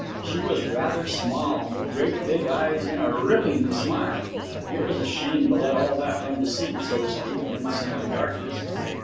She was rather small, with great big eyes and a ripping smile. It was a shame to let all that run to seed, so to speak, in semi darkness.